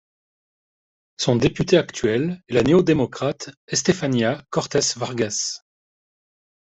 Son député actuel est la néo-démocrate Estefania Cortes-Vargas.